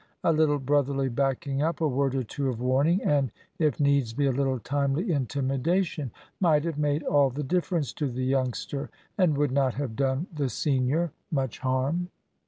A little brotherly backing up, a word or two of warning, and, if needs be, a little timely intimidation, might have made all the difference to the youngster, and would not have done the senior much harm.